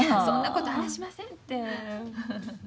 そんなことあらしませんて。